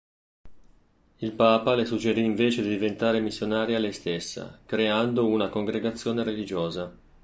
Il papa le suggerì invece di diventare missionaria lei stessa, creando una Congregazione religiosa.